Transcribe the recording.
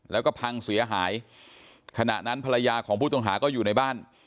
แล้วก็พังเสียหายขณะนั้นภรรยาของผู้ต้องหาก็อยู่ในบ้าน